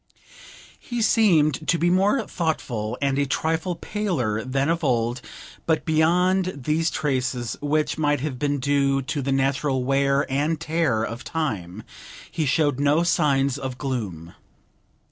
He seemed to be more thoughtful and a trifle paler than of old, but beyond these traces, which might have been due to the natural wear and tear of time, he showed no signs of gloom.